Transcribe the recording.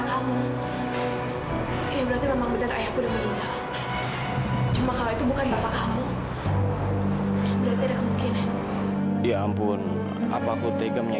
sampai jumpa di video selanjutnya